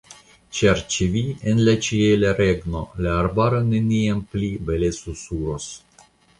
Ĉar ĉe vi en la ĉiela regno la arbaro neniam pli bele susuros!